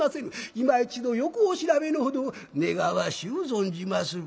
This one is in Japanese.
いま一度よくお調べのほどを願わしゅう存じまする」。